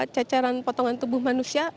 cacaran potongan tubuh manusia